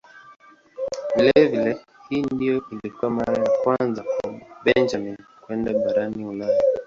Vilevile hii ndiyo ilikuwa mara ya kwanza kwa Benjamin kwenda barani Ulaya.